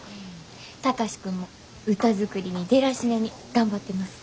貴司君も歌作りにデラシネに頑張ってます。